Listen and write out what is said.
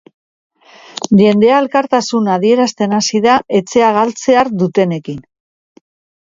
Jendea elkartasuna adierazten hasi da etxea galtzear dutenekin.